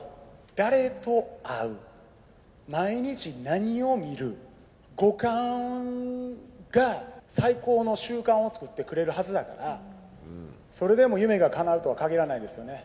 誰と会う、毎日何を見る、五感が最高の習慣を作ってくれるはずだから、それでも夢がかなうとは限らないですよね。